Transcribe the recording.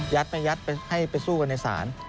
ไม่ยัดให้ไปสู้กันในศาล